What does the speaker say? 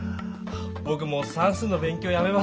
ぼくもう算数の勉強やめます。